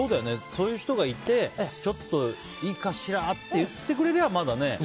そういう人がいてちょっと、いいかしら？って言ってくれりゃ、まだね。